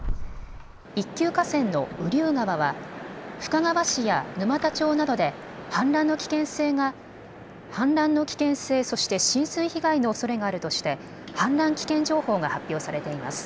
一級河川の雨竜川は深川市や沼田町などで氾濫の危険性、そして浸水被害のおそれがあるとして氾濫危険情報が発表されています。